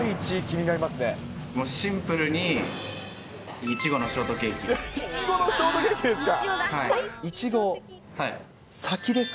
もうシンプルに、いちごのショートケーキですか？